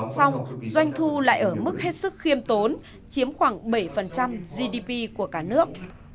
xong doanh thu lại ở mức hết sức khiêm tốn chiếm khoảng bảy gdp của cả nước